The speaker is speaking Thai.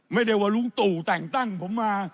ไม่ได้ว่าลุงตู่แต่งตั้งผมมา